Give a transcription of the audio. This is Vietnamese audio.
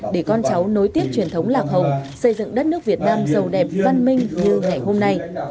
để con cháu nối tiếp truyền thống lạc hồng xây dựng đất nước việt nam giàu đẹp văn minh như ngày hôm nay